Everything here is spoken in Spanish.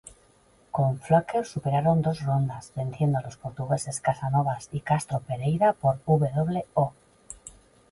Con Flaquer superaron dos rondas, venciendo a los portugueses Casanovas y Castro-Pereira por "w.o".